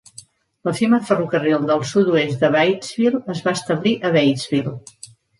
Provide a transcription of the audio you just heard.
L'efímer Ferrocarril del sud-oest de Batesville es va establir a Batesville.